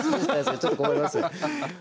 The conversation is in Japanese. ちょっと困りますね。